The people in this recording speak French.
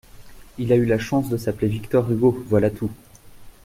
Il a eu la chance de s’appeler Victor Hugo, voilà tout.